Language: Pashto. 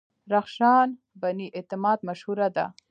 رخشان بني اعتماد مشهوره ده.